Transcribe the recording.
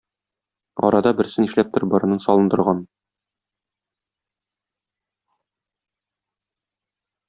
Арада берсе нишләптер борынын салындырган.